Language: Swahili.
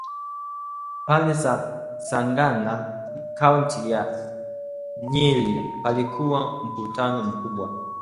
Pale Sagana kaunti ya Nyeri palialikwa mkutano mkubwa